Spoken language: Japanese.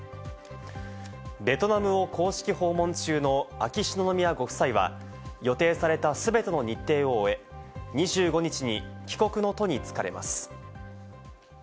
ベトナムを公式訪問中の秋篠宮ご夫妻は予定された全ての日程を終え、２５日に帰国の途につかれます。